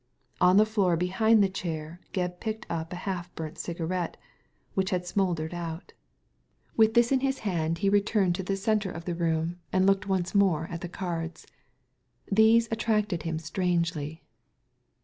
On the floor behind the chair Gebb picked up a half burnt cigarette, which had smouldered out With this in his hand he returned to the centre of the c Digitized by Google l8 THE LADY FROM NOWHERE room and looked once more at the cards. These attracted him strangely.